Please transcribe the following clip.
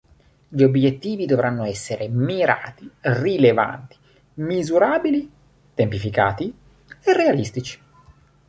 Gli obiettivi dovranno essere mirati, rilevanti, misurabili, tempificati e realistici.